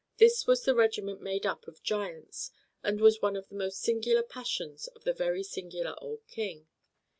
This was the regiment made up of giants, and was one of the most singular passions of the very singular old King.